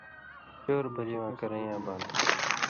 چؤر بلی واں کرَیں یاں بان: